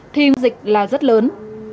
thì dịch là rất lớn